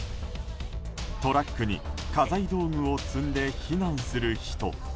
トラックに家財道具を積んで避難する人。